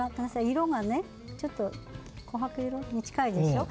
色がねちょっと琥珀色に近いでしょ。